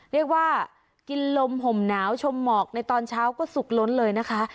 เรียกว่ากินลมห่มหนาวชมหมอกในตอนเช้าก็สุกล้นเลยนะคะ